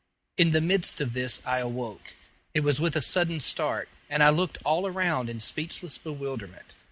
In the midst of this I awoke. It was with a sudden start, and I looked all around in speechless bewilderment.